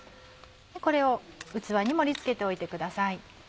これを器に盛り付けておいてください。